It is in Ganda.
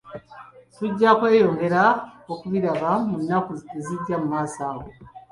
Tujja kweyongera okubiraba mu nnaku ezijja mu maaso awo.